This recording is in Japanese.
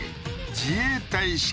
自衛隊式